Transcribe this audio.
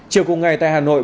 chiều cùng ngày tại hà nội